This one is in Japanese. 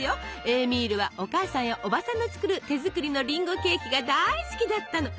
エーミールはお母さんやおばさんの作る手作りのりんごケーキが大好きだったの！